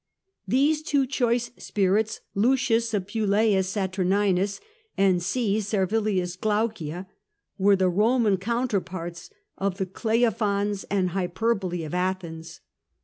These two choice spirits, L. Appuleius Saturninus and C. Servilius Glaucia, were the Roman counterparts of the Cleophons and Hyperboli of Athens.